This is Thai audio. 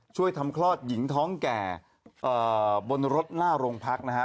ช่วยทำคลอดหญิงท้องแก่บนรถหน้าโรงพักนะฮะ